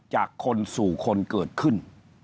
จากคนสู่คนเกิดขึ้น